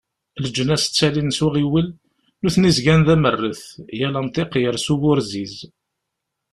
Leǧnas ttalin s uɣiwel, nutni zgan d amerret, yal amḍiq yers uburziz.